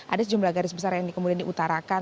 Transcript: ada sejumlah garis besar yang kemudian diutarakan